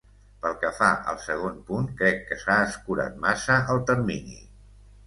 Pel que fa al segon punt, crec que s’ha escurat massa el termini.